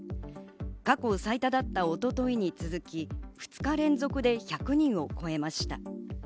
過去最多だった一昨日に続き、２日連続で１００人を超えました。